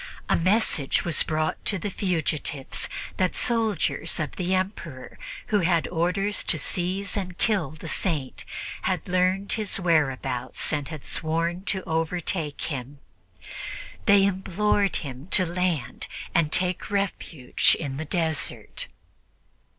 A message was brought to the fugitives that soldiers of the Emperor who had orders to seize and kill the Saint had learned his whereabouts and had sworn to overtake him. They implored him to land and take refuge in the desert.